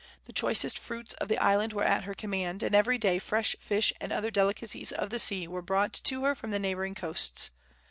The choicest fruits of the island were at her command, and every day fresh fish and other delicacies of the sea were brought to her from the neighboring coasts.